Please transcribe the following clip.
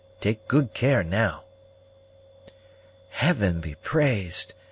Take good care now." "Heaven be praised!